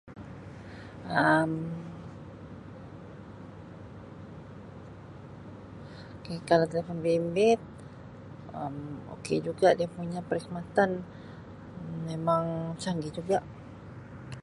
Um K kalau telefon bimbit Um ok juga dia punya perkhidmatan memang canggih juga.